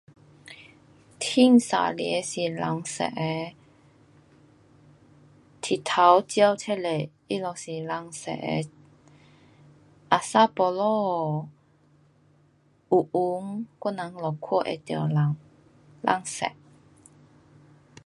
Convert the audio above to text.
天晴天的时头色 um 太阳照那个他就是蓝色的 um。asal 没下雨有云，我人还看得到蓝，蓝色。